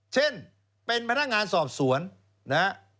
เช่นเป็นพนักงานสอบสวนนะฮะ